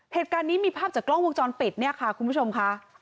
เหตุการณ์นี้มีภาพจากกล้องวงจรปิดเนี่ยค่ะคุณผู้ชมค่ะ